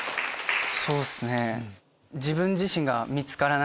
そうっすね。